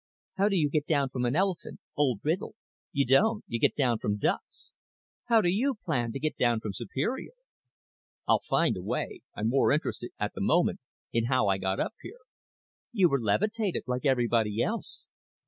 "How do you get down from an elephant? Old riddle. You don't; you get down from ducks. How do you plan to get down from Superior?" "I'll find a way. I'm more interested at the moment in how I got up here." "You were levitated, like everybody else."